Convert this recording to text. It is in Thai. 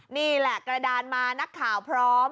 นี่แหละกระดานมานักข่าวพร้อม